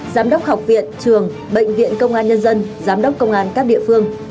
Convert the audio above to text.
giám đốc học viện trường bệnh viện công an nhân dân giám đốc công an các địa phương